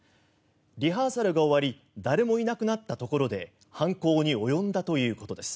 リハーサルが終わり誰もいなくなったところで犯行に及んだということです。